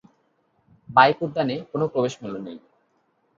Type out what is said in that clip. Bike উদ্যানে কোন প্রবেশ মূল্য নেই।